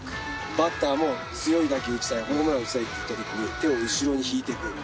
バッターも強い打球打ちたいホームラン打ちたいっていったときに手を後ろに引いてく。